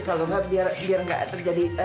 kalau enggak biar enggak terjadi salah paham